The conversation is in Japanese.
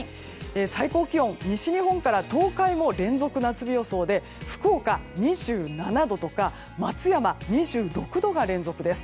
最高気温、西日本から東海も連続夏日予想で福岡２７度とか松山、２６度が連続です。